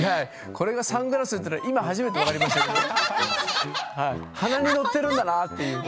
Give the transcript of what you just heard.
これがサングラスというのは今、初めて分かりました。